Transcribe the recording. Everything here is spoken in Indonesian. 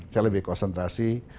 saya lebih konsentrasi